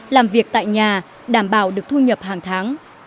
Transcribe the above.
làm việc tại nhà đảm bảo được thu nhập hàng tháng